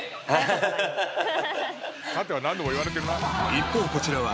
［一方こちらは］